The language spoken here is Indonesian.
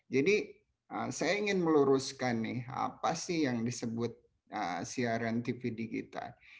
jadi saya ingin meluruskan nih apa sih yang disebut siaran tv digital